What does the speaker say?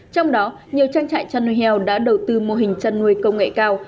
trong đó nhiều trang trại chăn nuôi heo đã đầu tư mô hình chăn nuôi công nghệ cao